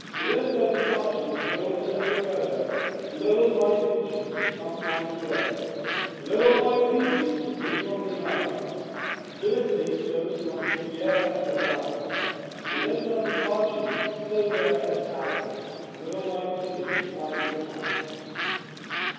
Lift up the arches, gold as the weather, Little white pigeons come flying together. " Little white pigeons, dream of Granada, Glistening snows on Sierra Nevada. Lift up the arches, silver as fountains, Little white pigeons fly to the mountains.'